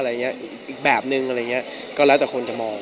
อีกแบบนึงอะไรอย่างนี้ก็แล้วแต่คนจะมอง